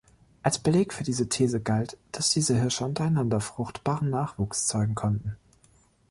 Als Beleg für diese These galt, dass diese Hirsche untereinander fruchtbaren Nachwuchs zeugen konnten.